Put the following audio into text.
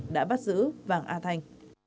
đã bắt giữ vàng a thành